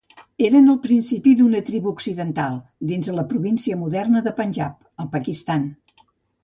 Eren al principi una tribu occidental, dins la província moderna de Panjab al Pakistan.